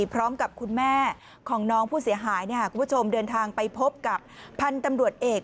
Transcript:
พร้อมกับคุณแม่ของน้องผู้เสียหายคุณผู้ชมเดินทางไปพบกับพันธุ์ตำรวจเอก